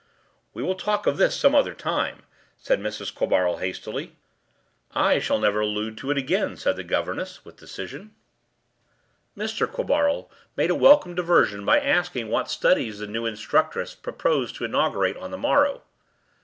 ” “We will talk of this some other time,” said Mrs. Quabarl hastily. “I shall never allude to it again,” said the governess with decision. Mr. Quabarl made a welcome diversion by asking what studies the new instructress proposed to inaugurate on the morrow.